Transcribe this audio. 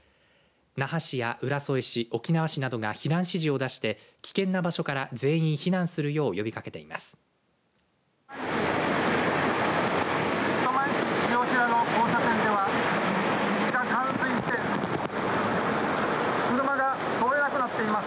那覇市や浦添市、沖縄市などが避難指示を出していて危険な場所から全員避難するよう呼びかけています。